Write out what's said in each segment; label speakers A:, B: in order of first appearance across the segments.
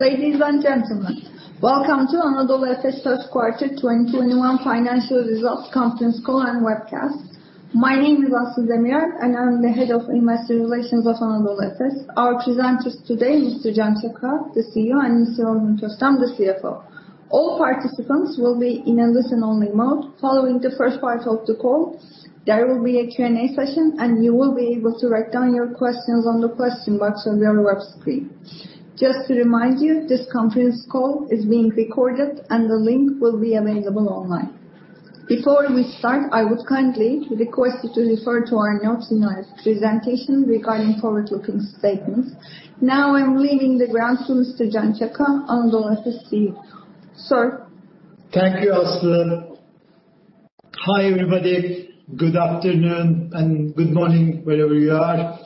A: Ladies and gentlemen, welcome to Anadolu Efes First Quarter 2021 Financial Results Conference Call and Webcast. My name is Aslı Demirel, and I'm the Head of Investor Relations of Anadolu Efes. Our presenters today, Mr. Can Çaka, the CEO, and Mr. Orhun Köstem, the CFO. All participants will be in a listen-only mode. Following the first part of the call, there will be a Q&A session, and you will be able to write down your questions on the question box on your web screen. Just to remind you, this conference call is being recorded, and the link will be available online. Before we start, I would kindly request you to refer to our notes in our presentation regarding forward-looking statements. Now I'm leaving the grounds to Mr. Can Çaka, Anadolu Efes CEO. Sir.
B: Thank you, Aslı. Hi, everybody. Good afternoon and good morning, wherever you are.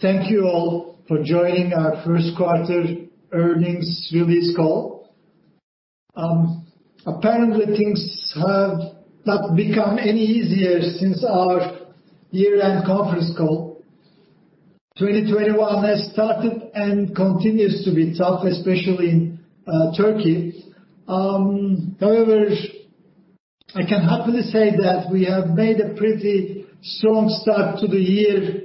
B: Thank you all for joining our first quarter earnings release call. Apparently, things have not become any easier since our year-end conference call. 2021 has started and continues to be tough, especially in Türkiye. However, I can happily say that we have made a pretty strong start to the year,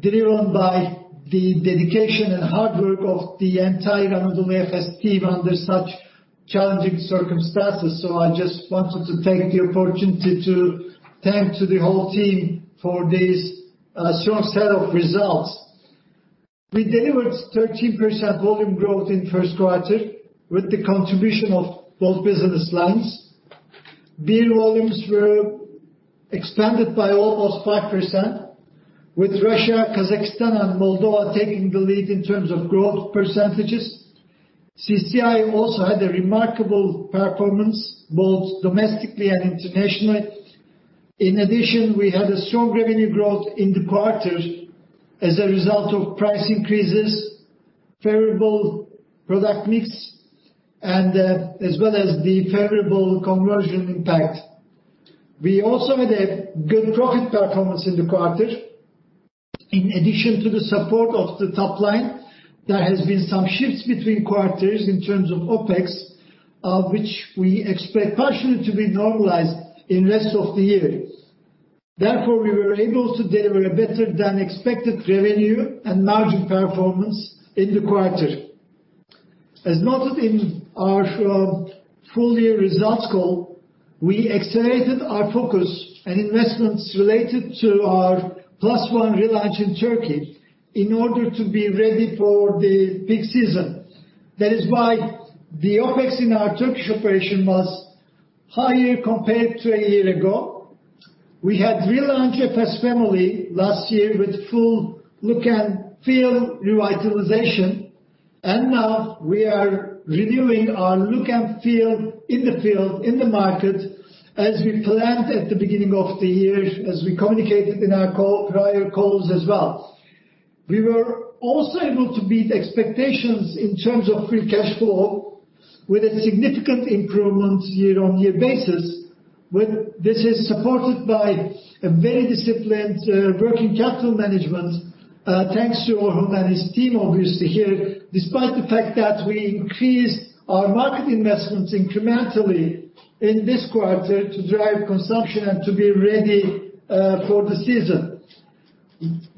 B: driven by the dedication and hard work of the entire Anadolu Efes team under such challenging circumstances. I just wanted to take the opportunity to thank the whole team for this strong set of results. We delivered 13% volume growth in the first quarter with the contribution of both business lines. Beer volumes were expanded by almost 5%, with Russia, Kazakhstan, and Moldova taking the lead in terms of growth percentages. CCI also had a remarkable performance both domestically and internationally. In addition, we had a strong revenue growth in the quarter as a result of price increases, favorable product mix, and as well as the favorable conversion impact. We also had a good profit performance in the quarter. In addition to the support of the top line, there has been some shifts between quarters in terms of OpEx, of which we expect partially to be normalized in rest of the year. We were able to deliver a better-than-expected revenue and margin performance in the quarter. As noted in our full-year results call, we accelerated our focus and investments related to our Plus One relaunch in Türkiye in order to be ready for the peak season. The OpEx in our Turkish operation was higher compared to a year ago. We had relaunched Efes Family last year with full look-and-feel revitalization, and now we are reviewing our look and feel in the field, in the market, as we planned at the beginning of the year, as we communicated in our prior calls as well. We were also able to beat expectations in terms of free cash flow with a significant improvement year-on-year basis. This is supported by a very disciplined working capital management. Thanks to Orhun and his team, obviously, here, despite the fact that we increased our market investments incrementally in this quarter to drive consumption and to be ready for the season.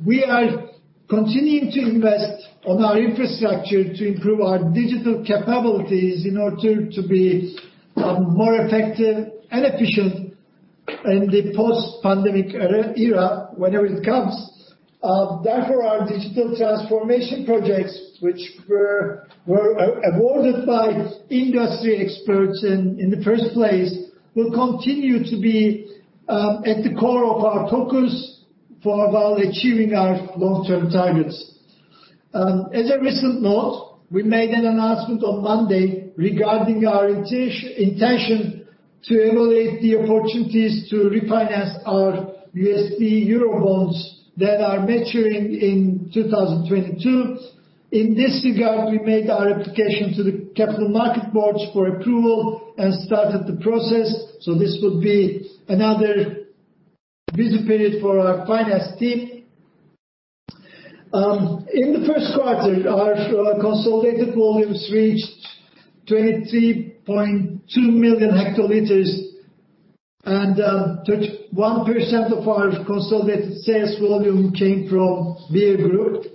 B: We are continuing to invest on our infrastructure to improve our digital capabilities in order to be more effective and efficient in the post-pandemic era, whenever it comes. Our digital transformation projects, which were awarded by industry experts in the first place, will continue to be at the core of our focus for while achieving our long-term targets. As a recent note, we made an announcement on Monday regarding our intention to evaluate the opportunities to refinance our USD Eurobonds that are maturing in 2022. In this regard, we made our application to the Capital Markets Board for approval and started the process. This would be another busy period for our finance team. In the first quarter, our consolidated volumes reached 23.2 mhl, and 31% of our consolidated sales volume came from Beer Group.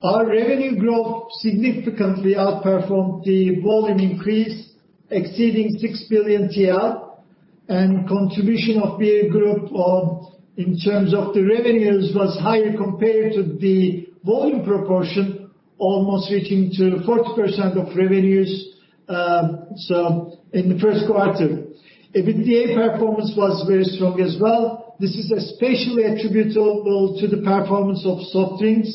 B: Our revenue growth significantly outperformed the volume increase exceeding 6 billion TL, and contribution of Beer Group in terms of the revenues was higher compared to the volume proportion, almost reaching to 40% of revenues in the first quarter. EBITDA performance was very strong as well. This is especially attributable to the performance of soft drinks.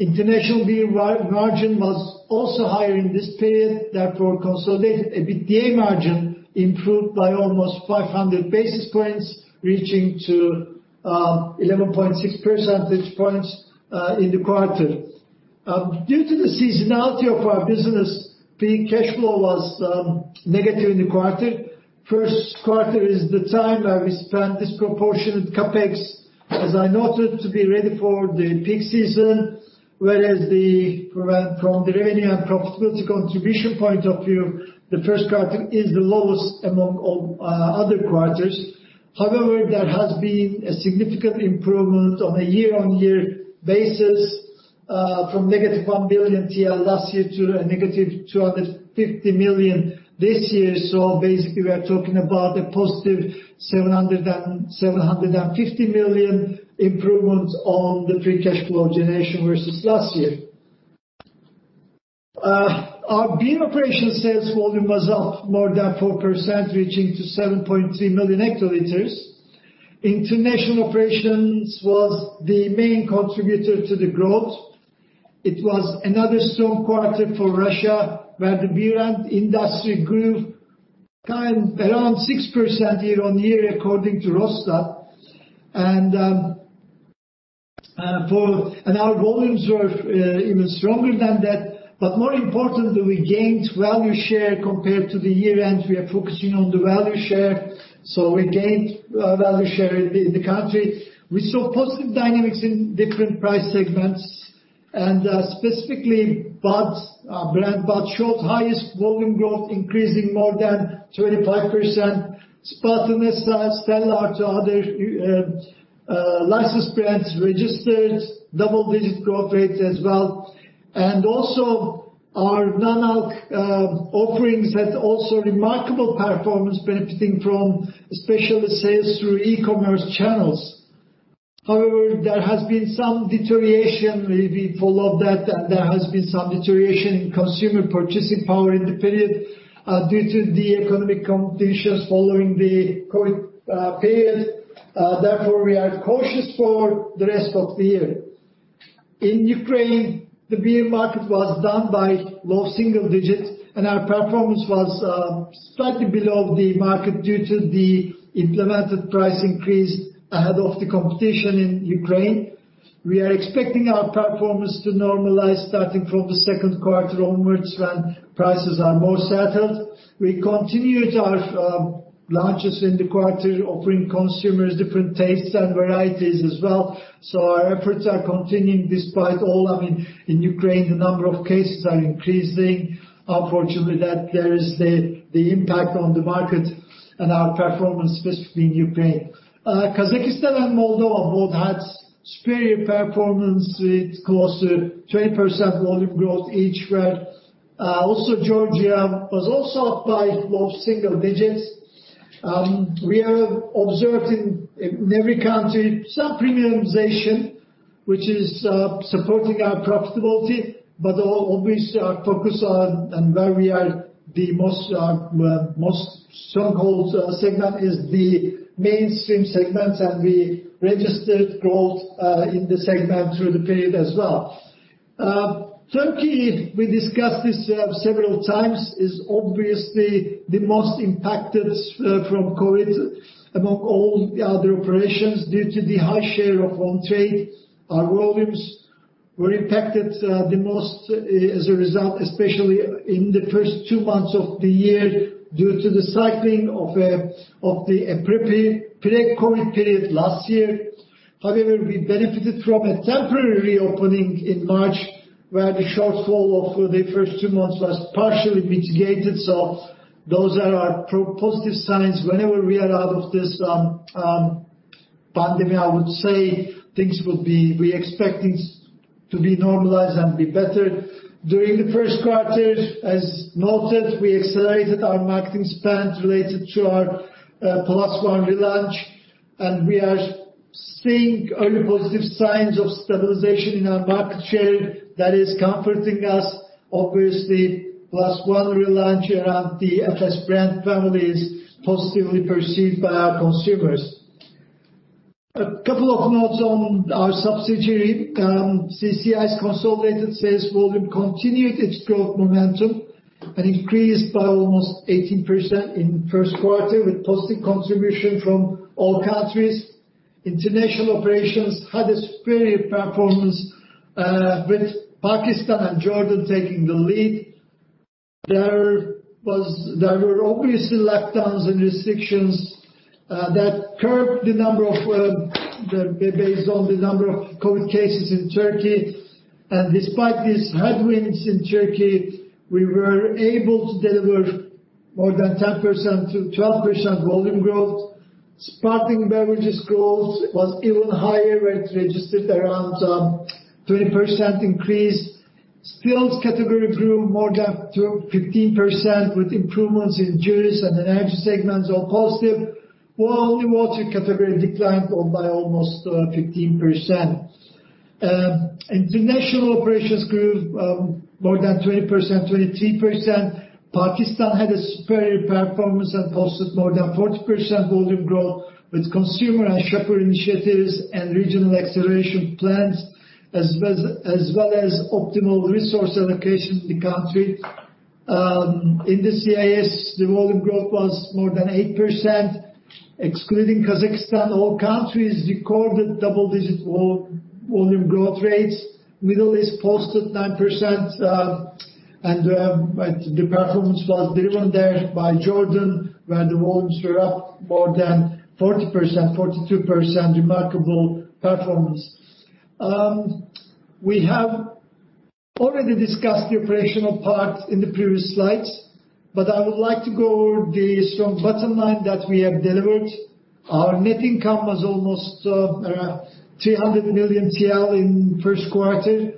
B: International beer margin was also higher in this period, therefore, consolidated EBITDA margin improved by almost 500 basis points, reaching to 11.6 percentage points in the quarter. Due to the seasonality of our business, free cash flow was negative in the quarter. First quarter is the time where we spend disproportionate CapEx. As I noted, to be ready for the peak season, whereas from the revenue and profitability contribution point of view, the first quarter is the lowest among all other quarters. However, there has been a significant improvement on a year-on-year basis from -1 billion TL last year to -250 million this year. Basically, we are talking about a 750+ million improvements on the free cash flow generation versus last year. Our beer operation sales volume was up more than 4%, reaching to 7.3 mhl. International operations was the main contributor to the growth. It was another strong quarter for Russia, where the beer industry grew around 6% year-on-year, according to Rosstat. Our volumes were even stronger than that, but more importantly, we gained value share compared to the year-end. We are focusing on the value share. We gained value share in the country. We saw positive dynamics in different price segments, and specifically our brand Bud showed highest volume growth, increasing more than 25%. Spaten, Essa, Stella Artois, other licensed brands registered double-digit growth rates as well. Also our non-alc offerings had also remarkable performance benefiting from especially sales through e-commerce channels. However, there has been some deterioration. Maybe follow that, there has been some deterioration in consumer purchasing power in the period due to the economic [competitions] following the COVID period. We are cautious for the rest of the year. In Ukraine, the beer market was down by low single digits, and our performance was slightly below the market due to the implemented price increase ahead of the competition in Ukraine. We are expecting our performance to normalize starting from the second quarter onwards, when prices are more settled. We continued our launches in the quarter, offering consumers different tastes and varieties as well. Our efforts are continuing despite all. In Ukraine, the number of cases are increasing. Unfortunately, there is the impact on the market and our performance, specifically in Ukraine. Kazakhstan and Moldova both had superior performance with close to 20% volume growth each. Georgia was also up by low single digits. We are observing in every country some premiumization, which is supporting our profitability. Obviously our focus on and where we are the most stronghold segment is the mainstream segment. We registered growth in the segment through the period as well. Türkiye, we discussed this several times, is obviously the most impacted from COVID among all the other operations due to the high share of on-trade. Our volumes were impacted the most as a result, especially in the first two months of the year, due to the cycling of the pre-COVID period last year. We benefited from a temporary reopening in March, where the shortfall for the first two months was partially mitigated. Those are our positive signs. Whenever we are out of this pandemic, I would say we expect things to be normalized and be better. During the first quarter, as noted, we accelerated our marketing spend related to our Plus One relaunch, and we are seeing early positive signs of stabilization in our market share. That is comforting us. Obviously, Plus One relaunch around the Efes brand family is positively perceived by our consumers. A couple of notes on our subsidiary. CCI's consolidated sales volume continued its growth momentum and increased by almost 18% in the first quarter, with positive contribution from all countries. International operations had a superior performance, with Pakistan and Jordan taking the lead. There were obviously lockdowns and restrictions that curbed the number of COVID cases in Türkiye. Despite these headwinds in Türkiye, we were able to deliver more than 10%-12% volume growth. Sparkling beverages growth was even higher rate, registered around 20% increase. Still category grew more than 15%, with improvements in juice and energy segments, all positive, while only water category declined by almost 15%. International operations grew more than 20%, 23%. Pakistan had a superior performance and posted more than 40% volume growth, with consumer and shopper initiatives and regional acceleration plans, as well as optimal resource allocation in the country. In the CIS, the volume growth was more than 8%. Excluding Kazakhstan, all countries recorded double-digit volume growth rates. Middle East posted 9%. The performance was driven there by Jordan, where the volumes were up more than 40%, 42%. Remarkable performance. We have already discussed the operational part in the previous slides, but I would like to go over the strong bottom line that we have delivered. Our net income was almost around 300 million TL in the first quarter.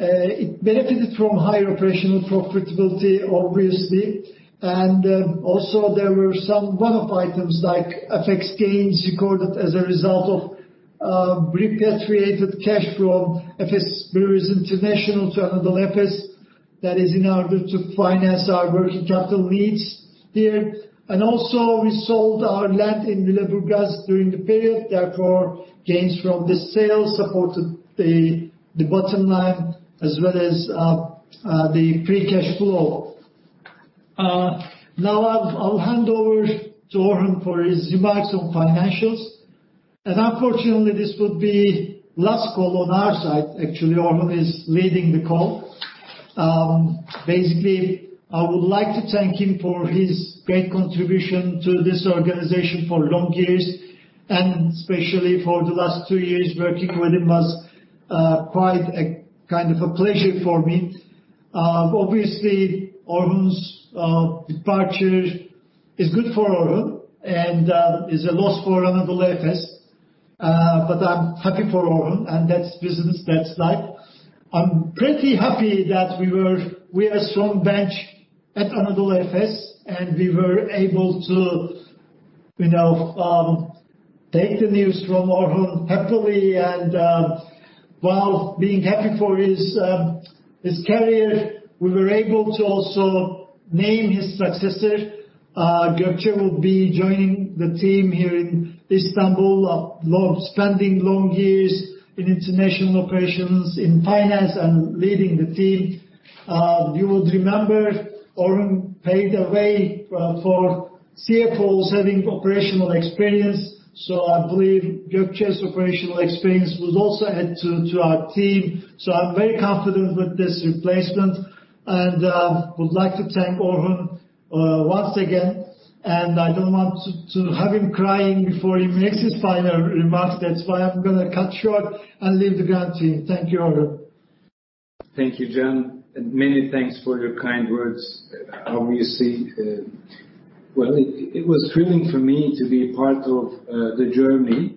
B: It benefited from higher operational profitability, obviously, and also there were some one-off items like FX gains recorded as a result of repatriated cash from Efes Breweries International to Anadolu Efes, that is in order to finance our working capital needs there. Also we sold our land in Lüleburgaz during the period, therefore, gains from this sale supported the bottom line as well as the free cash flow. I'll hand over to Orhun for his remarks on financials. Unfortunately, this will be last call on our side. Actually, Orhun is leading the call. Basically, I would like to thank him for his great contribution to this organization for long years, and especially for the last two years. Working with him was quite a pleasure for me. Obviously, Orhun's departure is good for Orhun and is a loss for Anadolu Efes. I'm happy for Orhun, and that's business, that's life. I'm pretty happy that we are strong bench at Anadolu Efes, and we were able to take the news from Orhun happily. While being happy for his career, we were able to also name his successor. Gökçe will be joining the team here in Istanbul, spending long years in international operations in finance and leading the team. You would remember Orhun paved a way for CFOs having operational experience. I believe Gökçe's operational experience would also add to our team. I'm very confident with this replacement. I would like to thank Orhun once again. I don't want to have him crying before he makes his final remarks. That's why I'm going to cut short and leave the ground to him. Thank you, Orhun.
C: Thank you, Can, and many thanks for your kind words. Obviously, well, it was thrilling for me to be part of the journey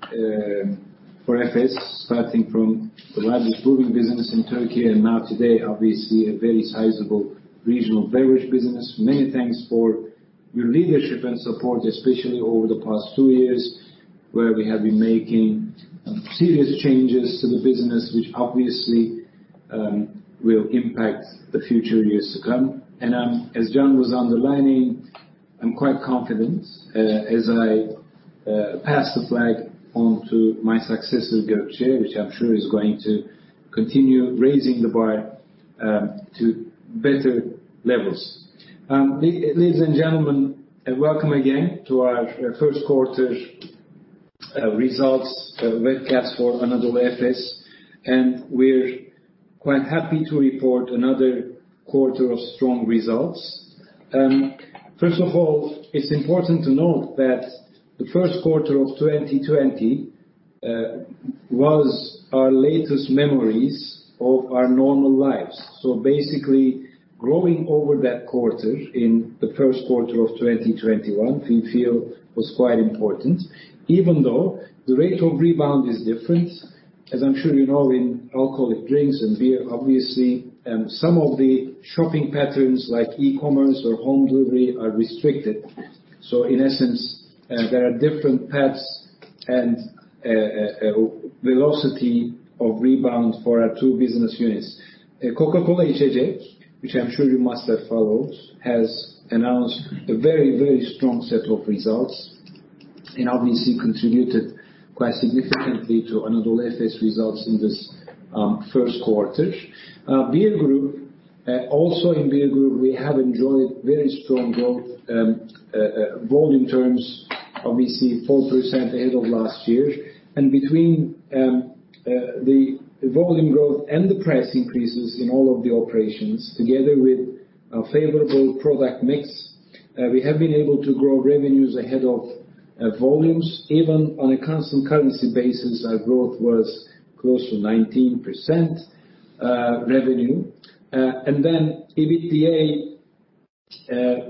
C: for Efes, starting from a rather booming business in Türkiye, and now today, obviously a very sizable regional beverage business. Many thanks for your leadership and support, especially over the past two years, where we have been making serious changes to the business, which obviously will impact the future years to come. As Can was underlining, I'm quite confident as I pass the flag on to my successor, Gökçe, which I'm sure is going to continue raising the bar to better levels. Ladies and gentlemen, welcome again to our first quarter results webcast for Anadolu Efes, and we're quite happy to report another quarter of strong results. First of all, it's important to note that the first quarter of 2020 was our latest memories of our normal lives. Basically, growing over that quarter in the first quarter of 2021, we feel was quite important, even though the rate of rebound is different. As I'm sure you know, in alcoholic drinks and beer, obviously, some of the shopping patterns like e-commerce or home delivery are restricted. In essence, there are different paths and velocity of rebound for our two business units. Coca-Cola İçecek, which I'm sure you must have followed, has announced a very strong set of results and obviously contributed quite significantly to Anadolu Efes results in this first quarter. Beer Group. Also in Beer Group, we have enjoyed very strong growth, volume terms, obviously 4% ahead of last year. Between the volume growth and the price increases in all of the operations, together with a favorable product mix, we have been able to grow revenues ahead of volumes. Even on a constant currency basis, our growth was close to 19% revenue. Then EBITDA,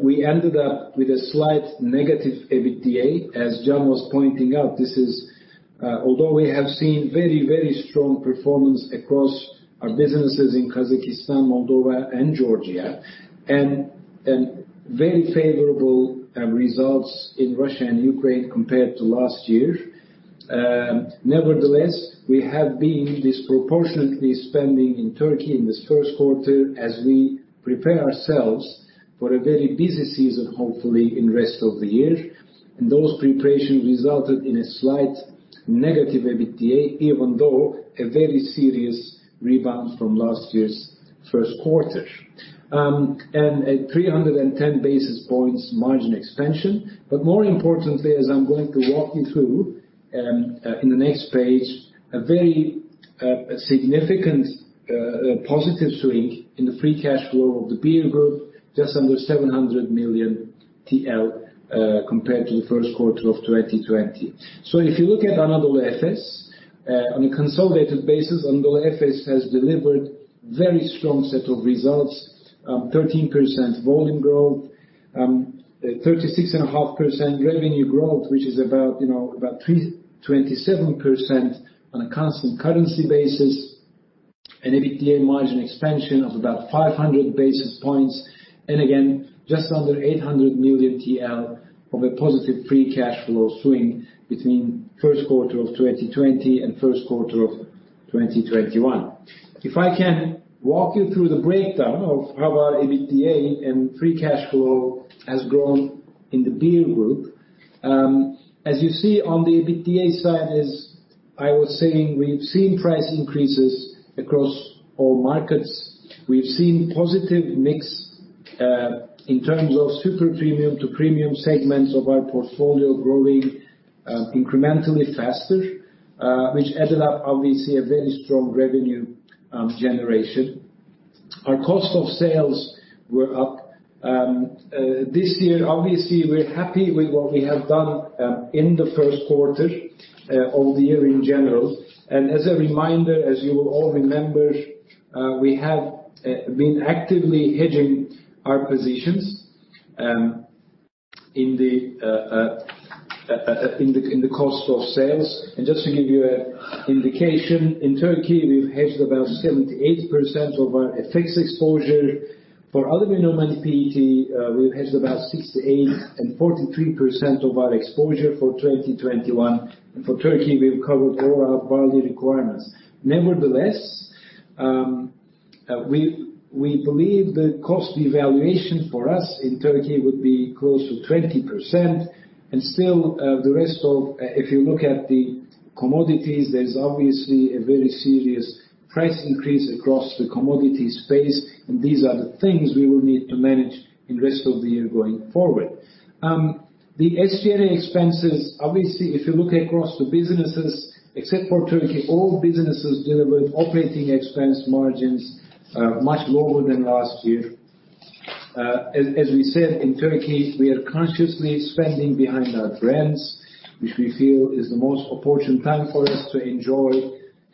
C: we ended up with a slight negative EBITDA, as Can was pointing out. Although we have seen very strong performance across our businesses in Kazakhstan, Moldova, and Georgia, and very favorable results in Russia and Ukraine compared to last year. Nevertheless, we have been disproportionately spending in Türkiye in this first quarter as we prepare ourselves for a very busy season, hopefully in rest of the year. Those preparations resulted in a slight negative EBITDA, even though a very serious rebound from last year's first quarter. At 310 basis points margin expansion. More importantly, as I'm going to walk you through in the next page, a very significant positive swing in the free cash flow of the Beer Group, just under 700 million TL compared to the first quarter of 2020. If you look at Anadolu Efes. On a consolidated basis, Anadolu Efes has delivered very strong set of results. 13% volume growth, 36.5% revenue growth, which is about 27% on a constant currency basis, and EBITDA margin expansion of about 500 basis points. Again, just under 800 million TL from a positive free cash flow swing between first quarter of 2020 and first quarter of 2021. If I can walk you through the breakdown of how our EBITDA and free cash flow has grown in the Beer Group. As you see on the EBITDA side, as I was saying, we've seen price increases across all markets. We've seen positive mix in terms of super premium to premium segments of our portfolio growing incrementally faster, which added up, obviously, a very strong revenue generation. Our cost of sales were up. This year, obviously, we're happy with what we have done in the first quarter of the year in general. As a reminder, as you will all remember, we have been actively hedging our positions in the cost of sales. Just to give you an indication, in Türkiye, we've hedged about 78% of our FX exposure. For other than [aluminum] PET, we've hedged about 68% and 43% of our exposure for 2021. For Türkiye, we've covered all our barley requirements. Nevertheless, we believe the cost evaluation for us in Türkiye would be close to 20%. If you look at the commodities, there's obviously a very serious price increase across the commodity space. These are the things we will need to manage in rest of the year going forward. The SG&A expenses, obviously, if you look across the businesses, except for Türkiye, all businesses delivered operating expense margins much lower than last year. As we said, in Türkiye, we are consciously spending behind our brands, which we feel is the most opportune time for us to enjoy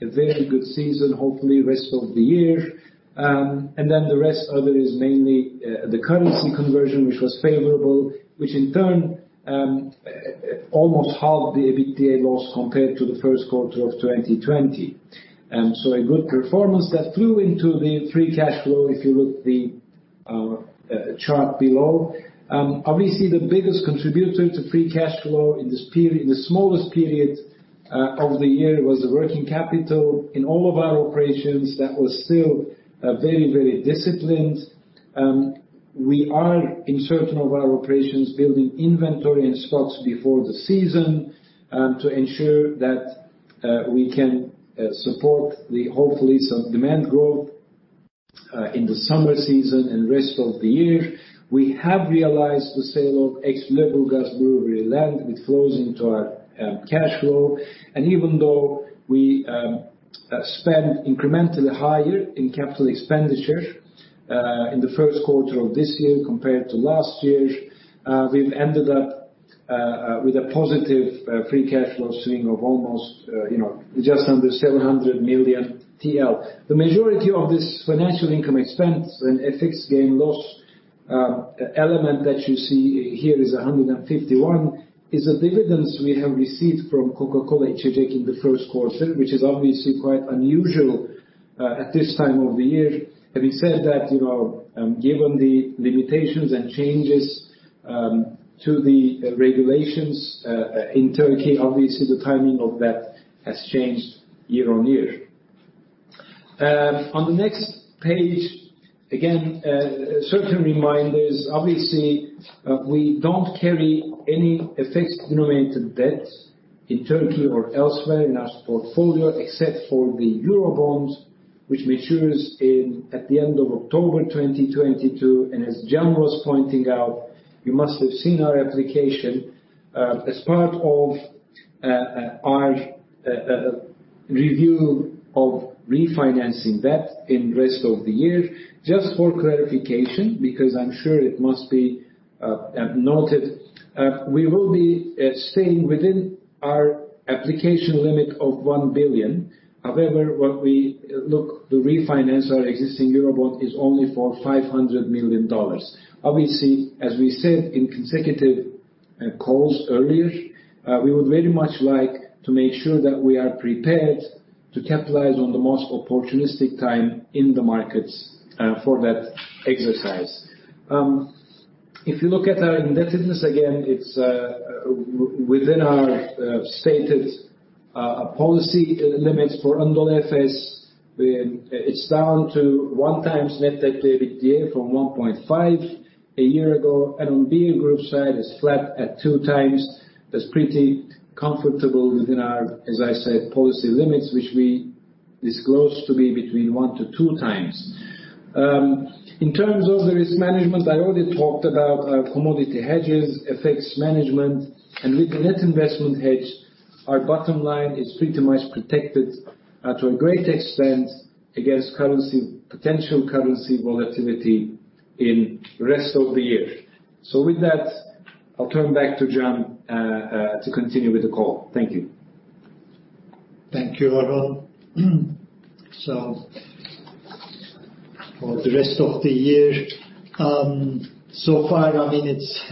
C: a very good season, hopefully rest of the year. The rest of it is mainly the currency conversion, which was favorable, which in turn almost halved the EBITDA loss compared to the first quarter of 2020. A good performance that flew into the free cash flow, if you look at the chart below. Obviously, the biggest contributor to free cash flow in the smallest period of the year was the working capital in all of our operations. That was still very disciplined. We are, in certain of our operations, building inventory and stocks before the season to ensure that we can support hopefully some demand growth in the summer season and rest of the year. We have realized the sale of Lüleburgaz brewery land, which flows into our cash flow. Even though we spent incrementally higher in capital expenditure in the first quarter of this year compared to last year, we've ended up with a positive free cash flow swing of just under 700 million TL. The majority of this financial income expense and FX gain loss element that you see here is 151 million, is the dividends we have received from Coca-Cola İçecek in the first quarter, which is obviously quite unusual at this time of the year. Having said that, given the limitations and changes to the regulations in Türkiye, obviously the timing of that has changed year-on-year. On the next page, again, certain reminders. Obviously, we don't carry any FX denominated debt in Türkiye or elsewhere in our portfolio, except for the Eurobonds, which matures at the end of October 2022. As Can was pointing out, you must have seen our application as part of our review of refinancing debt in rest of the year. Just for clarification, because I'm sure it must be noted, we will be staying within our application limit of $1 billion. The refinance our existing Eurobond is only for $500 million. As we said in consecutive calls earlier, we would very much like to make sure that we are prepared to capitalize on the most opportunistic time in the markets for that exercise. If you look at our indebtedness, again, it's within our stated policy limits for Anadolu Efes. It's down to 1x net debt to EBITDA from 1.5x a year ago. On Beer Group side, it's flat at 2x. That's pretty comfortable within our, as I said, policy limits, which we disclosed to be between 1x-2x. In terms of the risk management, I already talked about our commodity hedges, FX management, and with the net investment hedge, our bottom line is pretty much protected to a great extent against potential currency volatility in the rest of the year. With that, I'll turn back to Can to continue with the call. Thank you.
B: Thank you, Orhun. For the rest of the year, so far, obviously,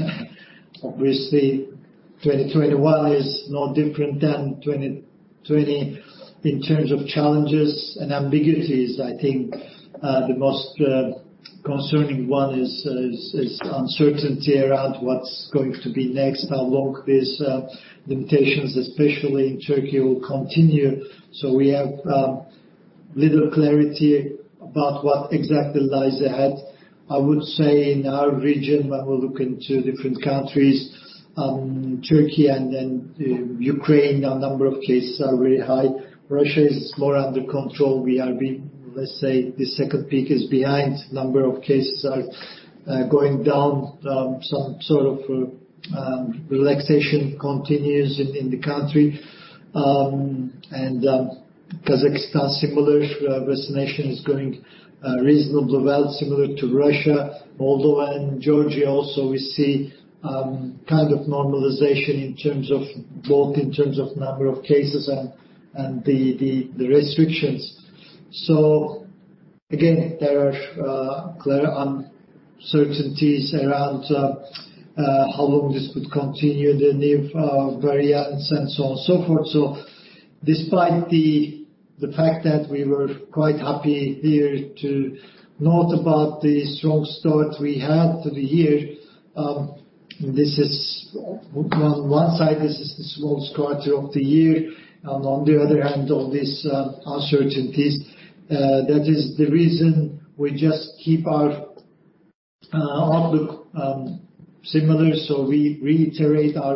B: 2021 is no different than 2020 in terms of challenges and ambiguities. I think the most concerning one is uncertainty around what's going to be next, how long these limitations, especially in Türkiye, will continue. We have little clarity about what exactly lies ahead. I would say in our region, when we look into different countries, Türkiye and then Ukraine, our number of cases are very high. Russia is more under control. Let's say the second peak is behind. Number of cases are going down. Some sort of relaxation continues in the country. Kazakhstan, similar, vaccination is going reasonably well, similar to Russia. Moldova and Georgia also, we see kind of normalization both in terms of number of cases and the restrictions. Again, there are clear uncertainties around how long this could continue, the new variants and so on, so forth. Despite the fact that we were quite happy here to note about the strong start we had to the year, on one side, this is the smallest quarter of the year, and on the other hand, all these uncertainties. That is the reason we just keep our outlook similar. We reiterate our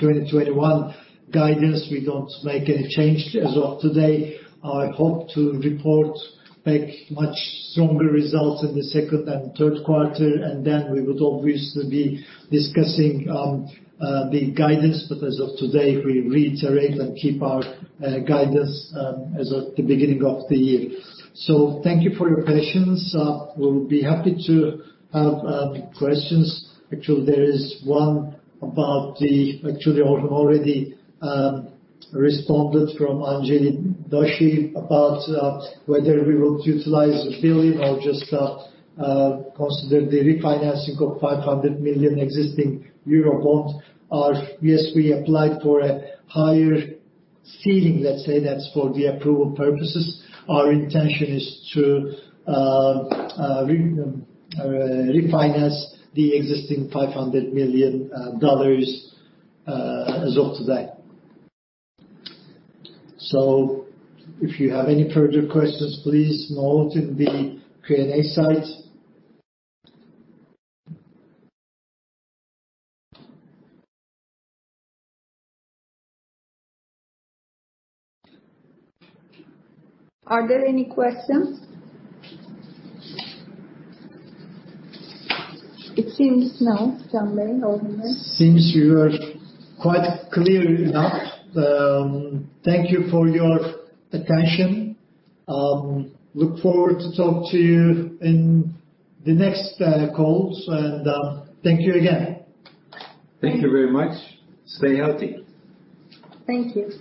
B: 2021 guidance. We don't make any change as of today. I hope to report back much stronger results in the second and third quarter, and then we would obviously be discussing the guidance. As of today, we reiterate and keep our guidance as of the beginning of the year. Thank you for your patience. We'll be happy to have questions. There is one, actually already responded from Anjali Doshi about whether we will utilize the $1 billion or just consider the refinancing of $500 million existing Eurobond. Yes, we applied for a higher ceiling, let's say that's for the approval purposes. Our intention is to refinance the existing $500 million as of today. If you have any further questions, please note in the Q&A site.
A: Are there any questions? It seems no, Can Bey, Orhun Bey.
B: Seems we were quite clear enough. Thank you for your attention. Look forward to talk to you in the next calls, and thank you again.
C: Thank you very much. Stay healthy.
A: Thank you.